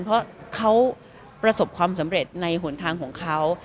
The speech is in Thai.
เพราะเขาประสบความสำเร็จในหนทางของเขา